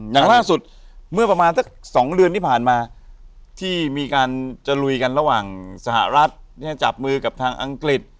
อย่างล่าสุดเมื่อประมาณสัก๒เดือนที่ผ่านมาที่มีการจะลุยกันระหว่างสหรัฐจับมือกับทางอังกฤษ